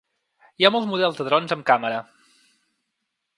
Hi ha molts models de drons amb càmera.